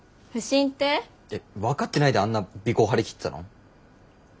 分かってないであんな尾行張り切ってたの？